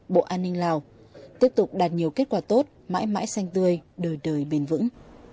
bộ an ninh lào tiếp tục đạt nhiều kết quả tốt mãi mãi xanh tươi đời đời bền vững